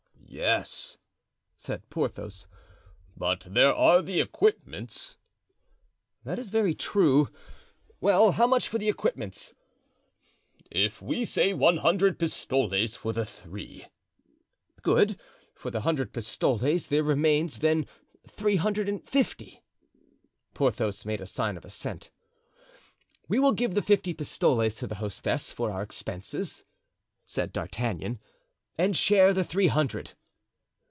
"Yes," said Porthos, "but there are the equipments." "That is very true. Well, how much for the equipments?" "If we say one hundred pistoles for the three——" "Good for the hundred pistoles; there remains, then, three hundred and fifty." Porthos made a sign of assent. "We will give the fifty pistoles to the hostess for our expenses," said D'Artagnan, "and share the three hundred."